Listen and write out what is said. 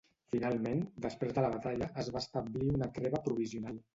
Finalment, després de la batalla, es va establir una treva provisional.